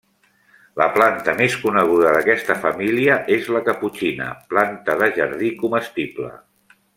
La planta més coneguda d'aquesta família és la caputxina, planta de jardí comestible.